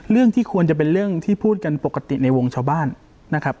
ที่ควรจะเป็นเรื่องที่พูดกันปกติในวงชาวบ้านนะครับ